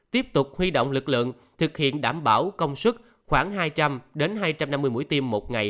tiếp tục huy động lực lượng thực hiện đảm bảo công sức khoảng hai trăm linh hai trăm năm mươi mũi tim một ngày